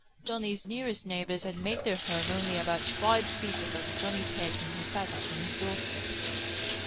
Johnny's nearest neighbors had made their home only about five feet above Johnny's head when he sat up on his doorstep.